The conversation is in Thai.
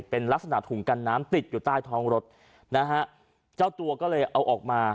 เป็นลักษณะถุงกันน้ำติดอยู่ใต้ท้องรถนะฮะเจ้าตัวก็เลยเอาออกมา